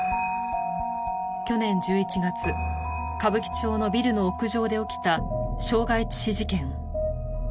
去年１１月歌舞伎町のビルの屋上で起きた傷害致死事件。